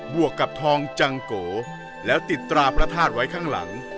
วกกับทองจังโกแล้วติดตราพระธาตุไว้ข้างหลัง